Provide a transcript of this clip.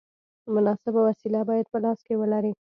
مناسبه وسیله باید په لاس کې ولرې.